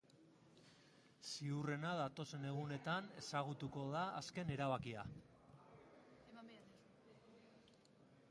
Ziurrenera, datozen egunetan ezagutuko da azken erabakia.